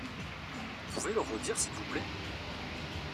Vous pouvez le redire s'il vous plait ?